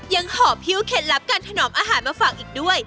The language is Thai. ยังขอพิ้วเคล็ดลับการถนอมอาหารมาฝากอีกด้วย